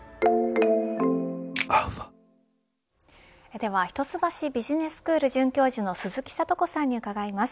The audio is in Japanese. では一橋ビジネススクール准教授の鈴木智子さんに伺います。